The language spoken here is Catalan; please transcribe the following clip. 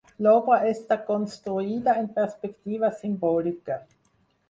L'obra està construïda en perspectiva simbòlica.